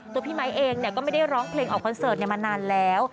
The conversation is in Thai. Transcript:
พี่ไมค์เองก็ไม่ได้ร้องเพลงออกคอนเสิร์ตมานานแล้ว